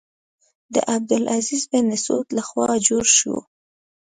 د عبدالعزیز بن سعود له خوا جوړ شو.